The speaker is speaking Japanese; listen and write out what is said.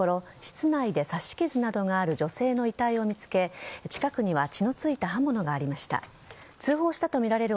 警察が確認したところ室内で刺し傷などがある女性の遺体を見つけ近くには血のついた刃物がありました。